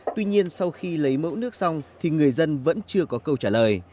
tuy nhiên sau khi lấy mẫu nước xong thì người dân vẫn chưa có câu trả lời